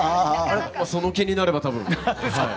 その気になれば多分はい。